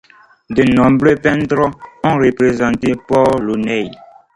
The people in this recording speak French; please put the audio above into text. De nombreux peintres ont représenté Port-Launay.